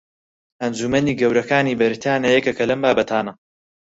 ئەنجومەنی گەورەکانی بەریتانیا یەکێکە لەم بابەتانە